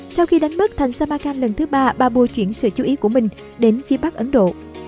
sau khi đánh mất thành savakan lần thứ ba babur chuyển sự chú ý của mình đến phía bắc ấn độ